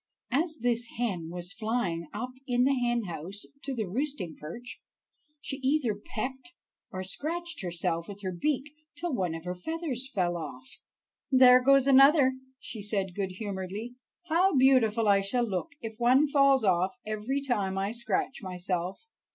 As this hen was flying up in the hen house to the roosting perch, she either pecked or scratched herself with her beak till one of her feathers fell off. "There goes another," she said good humoredly; "how beautiful I shall look if one falls off every time I scratch myself."